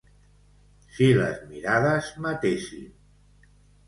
Si les mirades matessin...